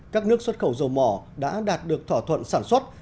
các nước xuất khẩu dầu mỏ đã đạt được thỏa thuận sản xuất